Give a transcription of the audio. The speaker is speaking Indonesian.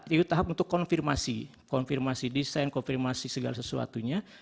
itu tahap untuk konfirmasi konfirmasi desain konfirmasi segala sesuatunya